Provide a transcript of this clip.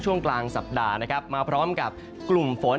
ช่วงกลางสัปดาห์นะครับมาพร้อมกับกลุ่มฝน